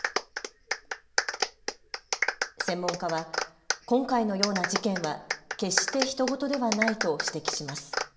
専門家は今回のような事件は決してひと事ではないと指摘します。